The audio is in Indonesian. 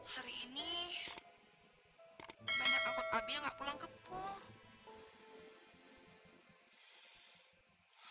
hari ini banyak anggota abi yang gak pulang ke pulau